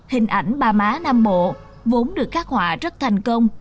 hình ảnh ba má nam bộ vốn được khắc họa rất thành công